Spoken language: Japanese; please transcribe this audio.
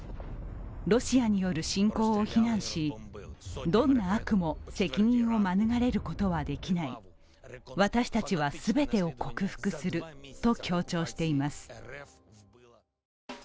ロシアによる侵攻を非難し、どんな悪も責任を免れることはできない、私たちは全てを克服すると強調しています。